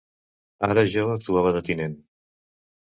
Ara jo actuava de tinent